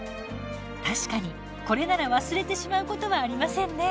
確かにこれなら忘れてしまうことはありませんね。